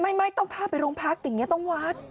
ไม่ต้องพาไปโรงพักอย่างนี้ต้องวัด